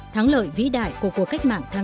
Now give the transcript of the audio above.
thắng lợi vĩ đại của cuộc cách mạng tháng tám